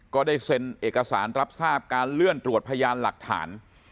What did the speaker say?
ก็ได้เซ็นเอกสารรับทราบการเลื่อนตรวจพยานหลักฐาน